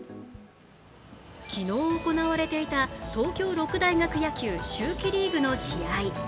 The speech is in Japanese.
昨日行われていた東京六大学野球・秋季リーグの試合。